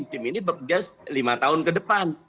tim ini bekerja lima tahun ke depan